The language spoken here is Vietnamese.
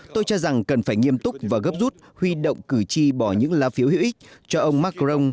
tôi cho rằng cần phải nghiêm túc và gấp rút huy động cử tri bỏ những lá phiếu hữu ích cho ông macron